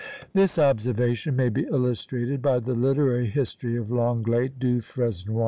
This observation may be illustrated by the literary history of Lenglet du Fresnoy.